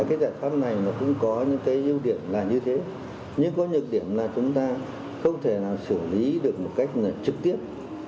cái giải pháp này nó cũng có những cái ưu điểm là như thế nhưng có nhược điểm là chúng ta không thể nào xử lý được một cách là trực tiếp